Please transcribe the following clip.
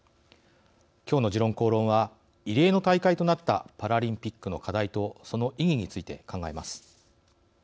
きょうの「時論公論」は異例の大会となったパラリンピックの課題とその意義について考えます。